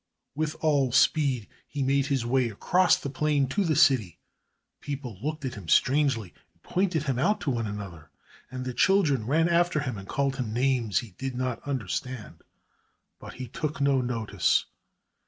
With all speed he made his way across the plain to the city. People looked at him strangely and pointed him out to one another, and the children ran after him and called him names he did not understand. But he took no notice.